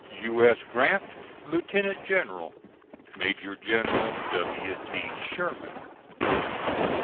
"U. S. GRANT, Lieutenant General. "MAJOR GENERAL W. T. SHERMAN."